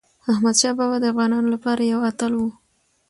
احمدشاه بابا د افغانانو لپاره یو اتل و.